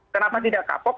kenapa tidak kapok